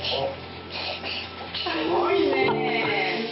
すごいね！